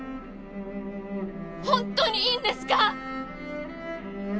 本当にいいんですか！？